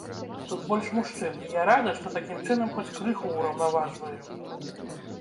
Тут больш мужчын, і я рада, што такім чынам хоць крыху ўраўнаважваю.